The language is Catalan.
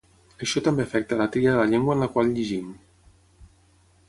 Això també afecta la tria de la llengua en la qual llegim.